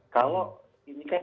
kalau ini kan